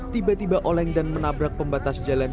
tiba tiba oleng dan menabrak pembatas jalan